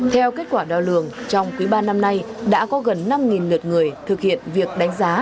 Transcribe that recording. theo kết quả đo lường trong quý ba năm nay đã có gần năm lượt người thực hiện việc đánh giá